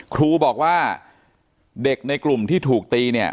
ครูบอกว่าเด็กในกลุ่มที่ถูกตีเนี่ย